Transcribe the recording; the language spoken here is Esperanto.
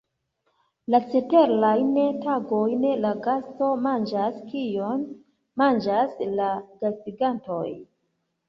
La ceterajn tagojn la gasto manĝas kion manĝas la gastigantoj.